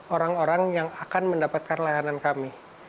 orang orang yang akan mendapatkan layanan kami